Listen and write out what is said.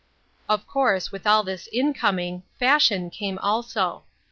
" Of course with all this incoming Fashion came also.